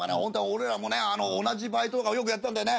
俺らもね同じバイトよくやったんだよね。